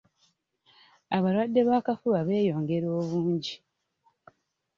Abalwadde b'akafuba beeyongera obungi.